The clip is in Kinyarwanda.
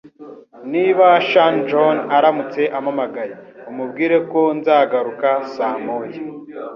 Niba S John aramutse ampamagaye, umubwire ko nzagaruka saa moya.